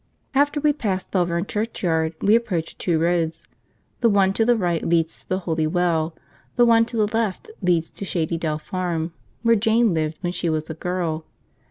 After we pass Belvern churchyard we approach two roads: the one to the right leads to the Holy Well; the one to the left leads to Shady Dell Farm, where Jane lived when she was a girl.